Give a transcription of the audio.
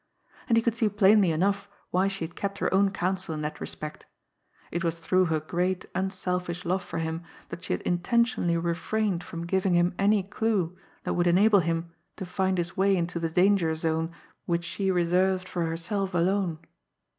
And he could see plainly enough why she had kept her own counsel in that respect. It was through her great, unselfish love for him that she had intentionally refrained from giving him any clue that would enable him to find his way into the danger zone which she reserved for herself alone.